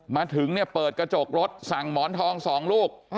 มาถึงเนี่ยเปิดกระจกรถสั่งหมอนทอง๒ลูก